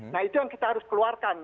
nah itu yang kita harus keluarkan